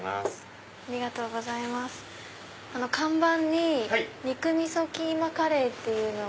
看板に「肉みそキーマカレー」って。